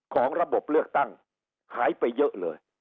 ของระบบเลือกตั้งหายไปเยอะเลย